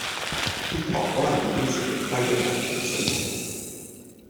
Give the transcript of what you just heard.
血糖可能已經是極低的危險水平